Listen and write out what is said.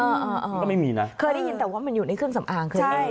มันก็ไม่มีนะเคยได้ยินแต่ว่ามันอยู่ในเครื่องสำอางเคยไหม